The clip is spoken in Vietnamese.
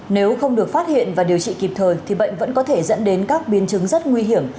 nếu không được phát hiện và điều trị kịp thời thì bệnh vẫn có thể dẫn đến các biến chứng rất nguy hiểm